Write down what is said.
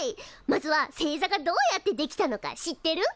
まずは星座がどうやって出来たのか知ってる？